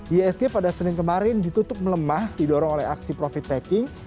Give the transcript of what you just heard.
iasg pada senin kemarin ditutup melemah didorong oleh aksi profit taking